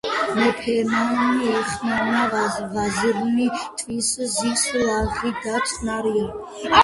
მეფემან იხმნა ვაზირნი, თვით ზის ლაღი და წყნარია,